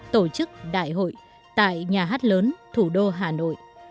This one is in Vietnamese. tổ chức đại hội tại nhà hát lớn thủ đô hà nội